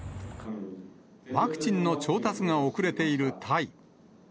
ワクチンの調達が遅れているタイ。